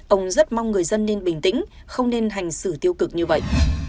ông rất mong người dân nên bình tĩnh không nên hành xử tiêu cực như vậy